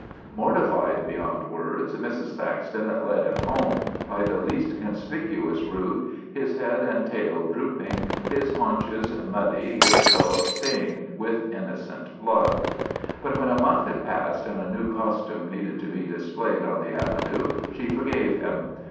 Mortified beyond words, Mrs. Thaxton led him home by the least conspicuous route, his head and tail drooping, his haunches muddy, his jaws stained with innocent blood. But when a month had passed, and a new costume needed to be displayed on the avenue, she forgave him.